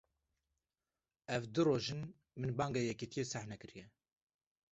Ev du roj e, min banga yekîtiyê seh nekiriye